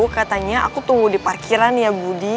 katanya aku tunggu di parkiran ya budi